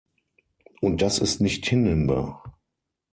Und das ist nicht hinnehmbar.